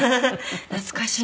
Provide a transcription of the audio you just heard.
懐かしい。